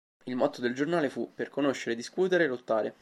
Il motto del giornale fu "Per conoscere... discutere... lottare!